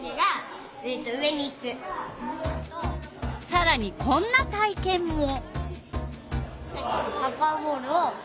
さらにこんな体けんも。